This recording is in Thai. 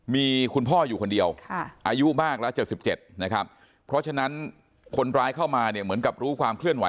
มีคุณพ่ออยู่คนเดียวอายุมากแล้ว๗๑๗